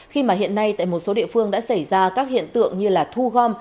khi mà hiện nay tại một số địa phương đã xảy ra các hiện tượng như là thu gom